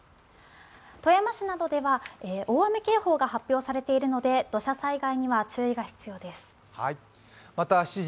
富山市などでは大雨警報が発表されているので、土砂災害には注意が必要です。